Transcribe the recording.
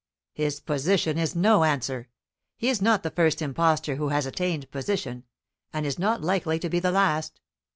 "His position is no answer. He is not the first impostor who has attained position, and is not likely to be the last.